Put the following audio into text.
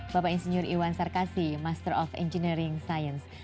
bapak insinyur iwan sarkasi master of engineering science